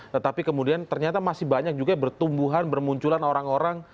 tetapi kemudian ternyata masih banyak juga bertumbuhan bermunculan orang orang